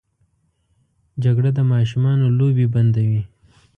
جګړه د ماشومانو لوبې بندوي